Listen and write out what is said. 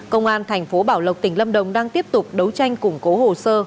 công an thành phố bảo lộc tỉnh lâm đồng đang tiếp tục đấu tranh củng cố hồ sơ